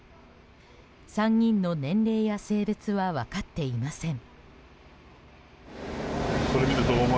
３人の年齢や性別は分かっていません。